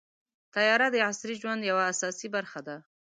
طیاره د عصري ژوند یوه اساسي برخه ده.